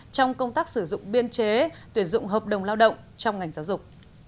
trong công tác sử dụng biên chế tuyển dụng hợp đồng lao động trong ngành giáo dục